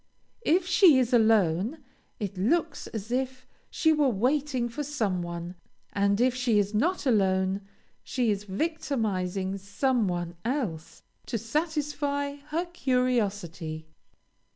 If she is alone, it looks as if she were waiting for some one; and if she is not alone, she is victimizing some one else, to satisfy her curiosity.